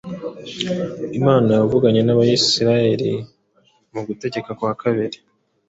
Imana yavuganye nabisirayeli mu gutegeka kwa Kabiri